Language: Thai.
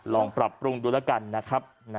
ลองปรับปรุงดูแล้วกันนะครับ